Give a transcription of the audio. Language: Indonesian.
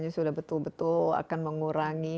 sudah betul betul akan mengurangi